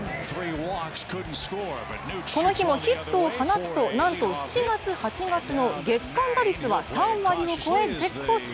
この日もヒットを放つとなんと、７月、８月の月間打率は３割を超え、絶好調。